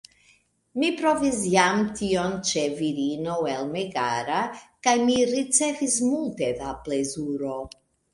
Mi provis jam tion ĉe virino el Megara, kaj mi ricevis multe da plezuro.